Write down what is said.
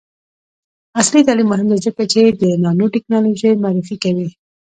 عصري تعلیم مهم دی ځکه چې د نانوټیکنالوژي معرفي کوي.